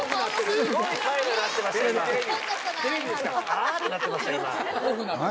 あぁ⁉ってなってました。